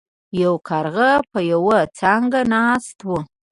یو کارغه په یوه څانګه ناست و.